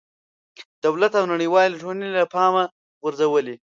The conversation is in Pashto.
دولت او نړېوالې ټولنې له پامه غورځولې.